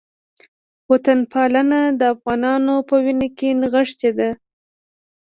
وطنپالنه د افغانانو په وینه کې نغښتې ده